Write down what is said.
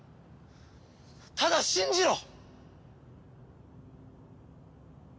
ただ信じろ！